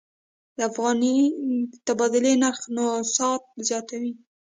د افغانۍ د تبادلې نرخ نوسانات زیاتوي.